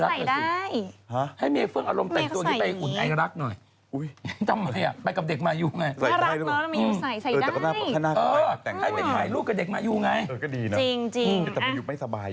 คุณให้แม๊เฟิ้งอารมณ์ใส่แต่งตัวแบบนี้ไป